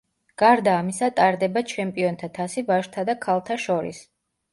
გარდა ამისა ტარდება ჩემპიონთა თასი ვაჟთა და ქალთა შორის.